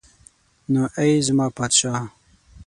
نو ای زما پادشاه.